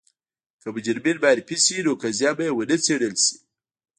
که مجرمین معرفي شي نو قضیه به یې ونه څېړل شي.